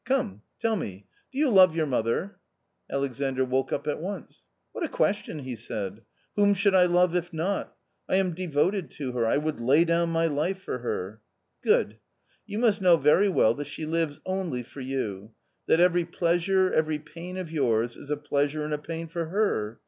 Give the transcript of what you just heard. " C ome, tell me, do you love your mother ?_" 4 N Atexanar woke up at once. " What a question ?" he said ;" whom should I love if not ? I am devoted to her, I woul d lay down my life for her." " Good?' "YOETnlust'"tnow very"weTT ll'iat slie lives Only \ for you, that every pleasure, every pain of yours, is a pleasure and a pain for her.